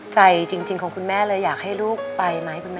ใจจริงของคุณแม่เลยอยากให้ลูกไปไหมคุณแม่